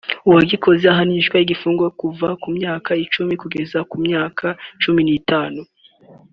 uwagikoze ahanishwa igifungo kuva ku myaka icumi kugeza ku myaka cumi n’itanu